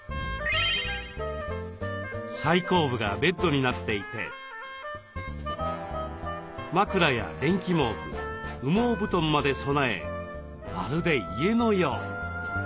最後部がベッドになっていて枕や電気毛布羽毛布団まで備えまるで家のよう。